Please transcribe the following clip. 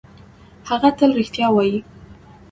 هغه تل رښتیا وايي.